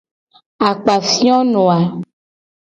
Akpafiono a.